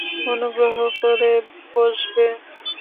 অনুগ্রহ করে বসবে?